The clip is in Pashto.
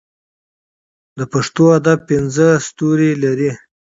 د پښتو ادب پنځه ستوري لري.